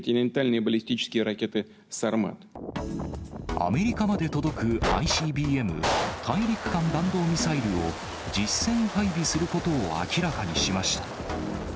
アメリカまで届くＩＣＢＭ・大陸間弾道ミサイルを実戦配備することを明らかにしました。